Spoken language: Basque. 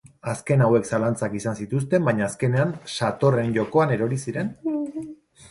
Azken hauek zalantzak izan zituzten, baina azkenean, satorren jokoan erori ziren.